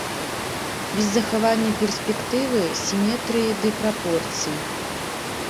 Без захавання перспектывы, сіметрыі ды прапорцый.